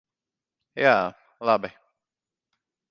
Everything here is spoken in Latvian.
Jā, labi.